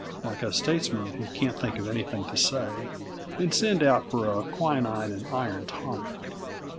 like a statesman who can't think of anything to say, and send out for a quinine and iron tonic.